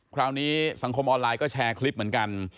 คราวนี้สังคมออนไลน์ก็แชร์คลิปเหมือนกัน